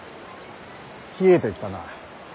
冷えてきたな。